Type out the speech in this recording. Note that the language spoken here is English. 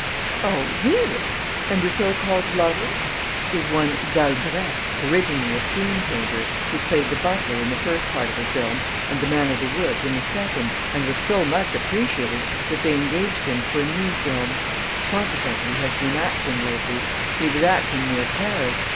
"Oh, really? And your so called lover...." "Is one Dalbrèque, originally a scene painter, who played the butler in the first part of the film and the man of the woods in the second and was so much appreciated that they engaged him for a new film. Consequently, he has been acting lately. He was acting near Paris.